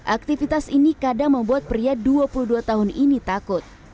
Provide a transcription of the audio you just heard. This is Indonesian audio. aktivitas ini kadang membuat pria dua puluh dua tahun ini takut